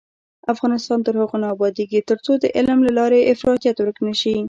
افغانستان تر هغو نه ابادیږي، ترڅو د علم له لارې افراطیت ورک نشي.